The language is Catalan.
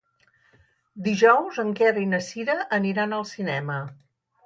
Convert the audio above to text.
Dijous en Quer i na Cira aniran al cinema.